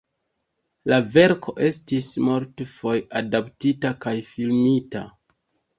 La verko estis multfoje adaptita kaj filmita.